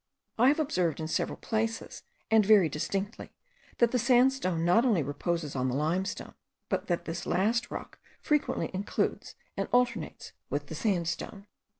I have observed in several places, and very distinctly, that the sandstone not only reposes on the limestone, but that this last rock frequently includes and alternates with the sandstone.